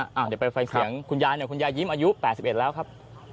เดี๋ยวไปฟังเสียงคุณยายหน่อยคุณยายยิ้มอายุ๘๑แล้วครับ